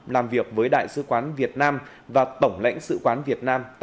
làm việc với đại sứ quan hệ